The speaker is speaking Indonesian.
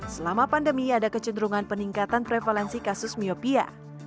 selama pandemi ada kecenderungan peningkatan prevalensi kasus miopia